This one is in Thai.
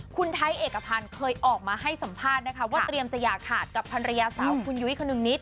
คุณไทยเอกพันธ์เคยออกมาให้สัมภาษณ์นะคะว่าเตรียมจะอย่าขาดกับภรรยาสาวคุณยุ้ยคนนึงนิด